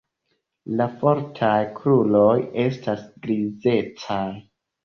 La fortaj kruroj estas grizecaj.